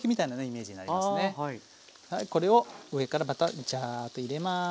これを上からまたジャーッと入れます。